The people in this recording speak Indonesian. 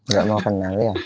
nggak mau kenal ya